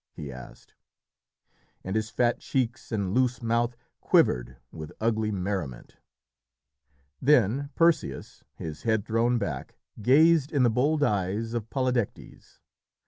he asked, and his fat cheeks and loose mouth quivered with ugly merriment. Then Perseus, his head thrown back, gazed in the bold eyes of Polydectes.